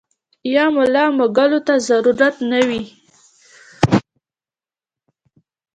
يا ملا مږلو ته ضرورت نۀ وي -